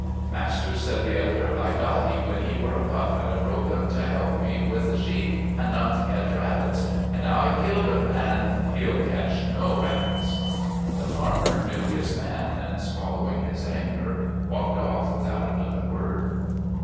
"Master," said the other, "I got he when he were a pup and broke 'n to help me with the sheep and not to catch rabbits; and now I've killed 'n and he'll catch no rabbits." The farmer knew his man, and swallowing his anger walked off without another word.